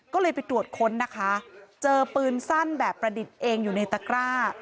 ก็เลยไปตรวจค้นนะคะเจอปืนสั้นแบบประดิษฐ์เองอยู่ในตะกร้า